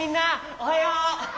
おはよう！